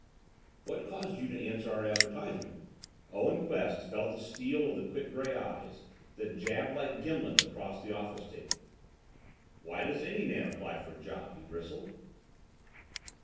] "What caused you to answer our advertisement?" Owen Quest felt the steel of the quick gray eyes that jabbed like gimlets across the office table. "Why does any man apply for a job?" he bristled.